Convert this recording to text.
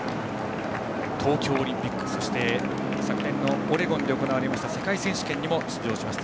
東京オリンピックそして昨年のオレゴンで行われた世界選手権にも出場しました。